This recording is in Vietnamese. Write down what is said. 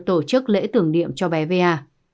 tổ chức lễ tưởng niệm cho bé va